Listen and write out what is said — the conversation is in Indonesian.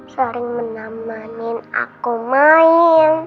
sering menemani aku main